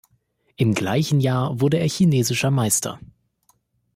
Im gleichen Jahr wurde er chinesischer Meister.